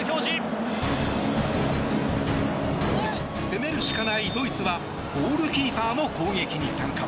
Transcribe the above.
攻めるしかないドイツはゴールキーパーも攻撃に参加。